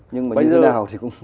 nhưng mà như thế nào thì cũng